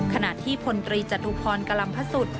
ขณะที่พลตรีจตุพรกะลำพระสุทธิ์